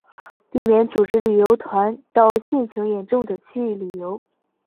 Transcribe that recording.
避免组织旅游团到汛情严重的区域旅游